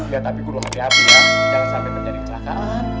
ya tapi guru hati hati ya jangan sampai terjadi kecelakaan